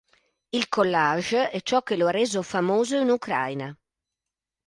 Il collage è ciò che lo ha reso famoso in Ucraina.